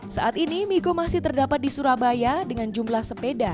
saat ini miko masih terdapat di surabaya dengan jumlah sepeda